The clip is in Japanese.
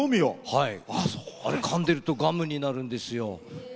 あれ、かんでるとガムになるんですよ。